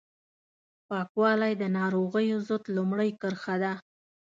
پاکوالی د ناروغیو ضد لومړۍ کرښه ده